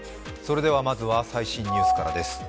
まずは最新ニュースからです。